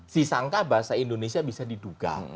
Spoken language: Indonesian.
si sangka bahasa indonesia bisa diduga